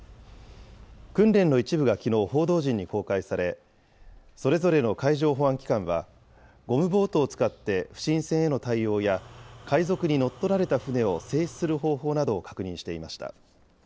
訓練の一部がきのう報道陣に公開され、それぞれの海上保安機関は、ゴムボートを使って不審船への対応や、海賊に乗っ取られた船を制止する方法などを確認していました。